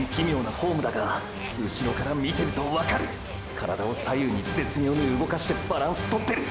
体を左右に絶妙に動かしてバランスとってる！！